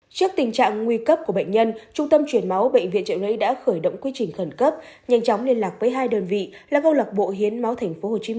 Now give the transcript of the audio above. trước tình trạng nguy cấp của bệnh nhân trung tâm truyền máu bệnh viện trợ lấy đã khởi động quy trình khẩn cấp